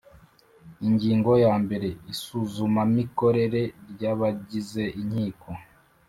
Ingingo ya mbere Isuzumamikorere ry’abagize inkiko